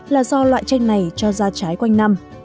là do loại tranh này cho ra trái quanh năm